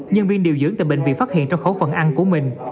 nhân viên điều dưỡng tại bệnh viện phát hiện trong khẩu phần ăn của mình